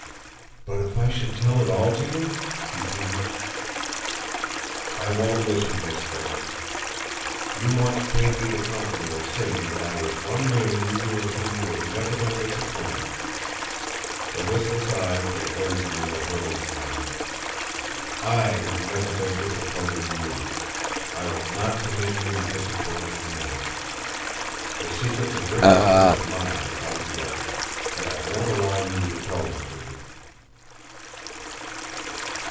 "But if I should tell it all to you?" she pleaded. "I won't listen, Miss Thorne. You once paid me the compliment of saying that I was one man you knew in whom you had never been disappointed." The listless eyes were blazing into her own now. "I have never been disappointed in you. I will not permit you to disappoint me now. The secrets of your government are mine if I can get them but I won't allow you to tell them to me."